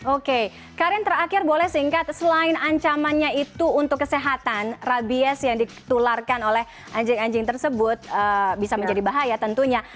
oke karin terakhir boleh singkat selain ancamannya itu untuk kesehatan rabies yang ditularkan oleh anjing anjing tersebut bisa menjadi bahaya tentunya